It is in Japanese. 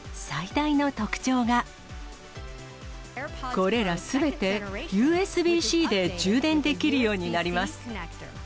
これらすべて、ＵＳＢーＣで充電できるようになります。